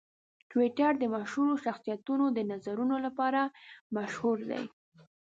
ټویټر د مشهورو شخصیتونو د نظرونو لپاره مشهور دی.